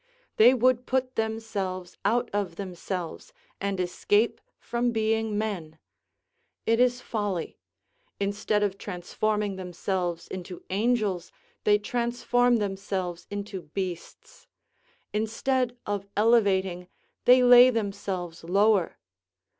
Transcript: They would put themselves out of themselves, and escape from being men. It is folly; instead of transforming themselves into angels, they transform themselves into beasts; instead of elevating, they lay themselves lower.